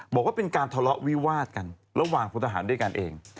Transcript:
บอกว่าเป็นการทะเลาะวิวาดกันระหว่างพลทหารด้วยกันเอง